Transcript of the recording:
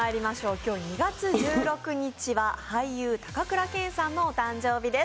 今日２月１６日は俳優・高倉健さんのお誕生日です。